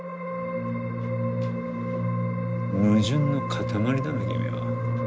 矛盾の塊だな君は。